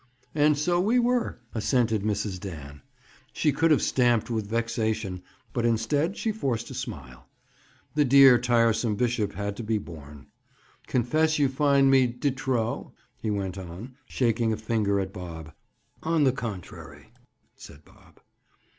"And so we were," assented Mrs. Dan. She could have stamped with vexation, but instead, she forced a smile. The dear tiresome bishop had to be borne. "Confess you find me de trop?" he went on, shaking a finger at Bob. "On the contrary," said Bob.